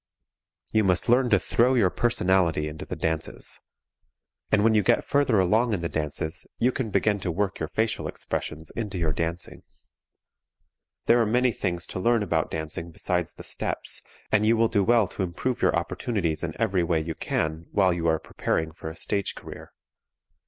You must learn to throw your personality into the dances. And when you get further along in the dances you can begin to work your facial expressions into your dancing. There are many things to learn about dancing besides the steps, and you will do well to improve your opportunities in every way you can while you are preparing for a stage career.